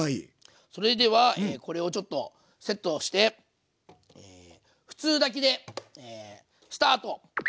それではこれをちょっとセットして普通炊きでスタート！